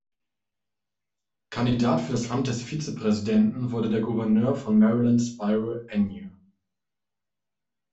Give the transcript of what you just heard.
Kandidat für das Amt des Vizepräsidenten wurde der Gouverneur von Maryland Spiro Agnew.